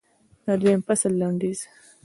د دویم فصل لنډیز